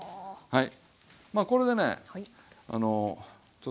はい。